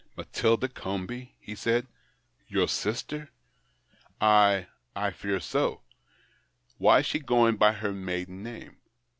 "Matilda Comby ?" he said. "Your sister ?"" I — 1 fear so." " Why is she going by her maiden name